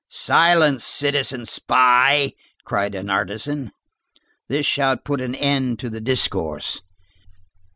"Silence, citizen spy!" cried an artisan. This shout put an end to the discourse.